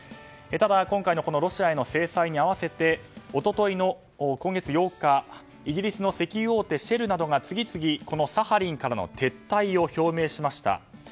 ただ、今回のロシアの制裁に合わせて一昨日の今月８日イギリスの石油大手シェルなどが次々、このサハリンからの撤退を表明しました。